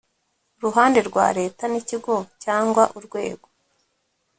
ruhande rwa leta n ikigo cyangwa urwego